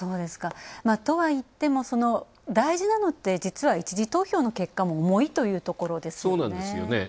とはいっても、大事なのって、実は一次投票の結果も重いということですよね。